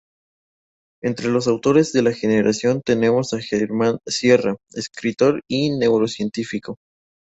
Entre los autores de la generación tenemos a Germán Sierra, escritor y neurocientífico.